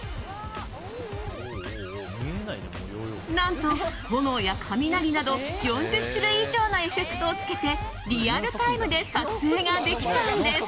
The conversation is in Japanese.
何と、炎や雷など４０種類以上のエフェクトをつけてリアルタイムで撮影ができちゃうんです。